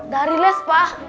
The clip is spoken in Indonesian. dari les pak